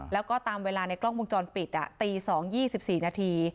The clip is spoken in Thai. แล้วก็ตามเวลาในกล้องวงจรปิดตี๒๒๔นาที